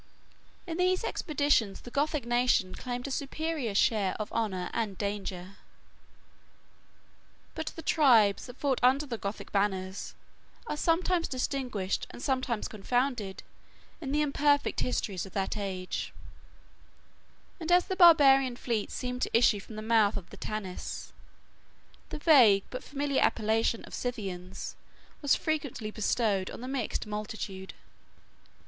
In these expeditions, the Gothic nation claimed a superior share of honor and danger; but the tribes that fought under the Gothic banners are sometimes distinguished and sometimes confounded in the imperfect histories of that age; and as the barbarian fleets seemed to issue from the mouth of the Tanais, the vague but familiar appellation of Scythians was frequently bestowed on the mixed multitude.